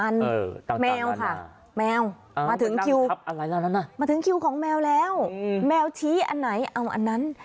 ต่างแล้วนะมาถึงคิวมาถึงคิวของแมวแล้วแมวชี้อันไหนเอาอันนั้น